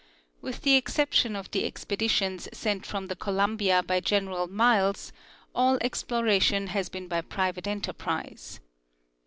With the exception of the expeditions sent from the Columbia by General Miles, all exploration has been by private enterprise.